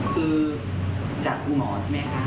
คือจากคุณหมอใช่ไหมคะ